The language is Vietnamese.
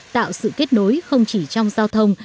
tạo sự kết nối không chỉ trong giao thông